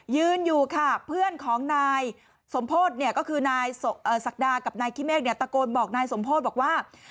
ยืนอยู่ค่ะเพื่อนของนายสมโพธิเนี่ยก็คือนายศักดากับนายขี้เมฆเนี่ยตะโกนบอกนายสมโพธิบอกว่า